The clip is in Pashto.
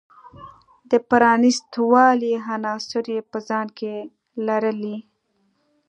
د پرانیست والي عناصر یې په ځان کې لرلی.